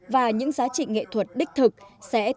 và những giá trị nghệ thuật đích thực sẽ tiếp tục